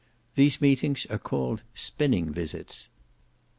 These meetings are called spinning visits.